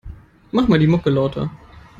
Mach mal die Mucke lauter.